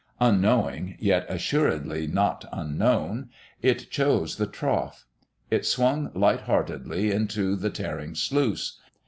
Unknowing (yet assuredly not unknown), it chose the trough. It swung light heartedly into the tearing sluice.